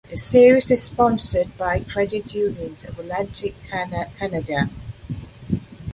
The series is sponsored by Credit Unions of Atlantic Canada.